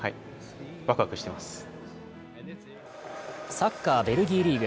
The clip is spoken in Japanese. サッカー、ベルギーリーグ。